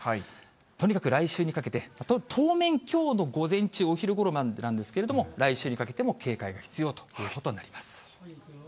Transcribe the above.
とにかく来週にかけて、当面、きょうのお昼ごろまでなんですけれども、来週にかけても警戒が必要ということになります。